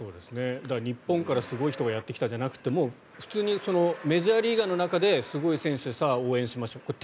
日本からすごい人がやってきたじゃなくて普通にメジャーリーガーの中ですごい選手で応援しましょうという。